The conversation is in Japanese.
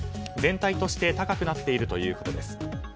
全体として高くなっているということです。